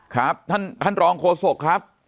ครับท่านรองโฆษกครับ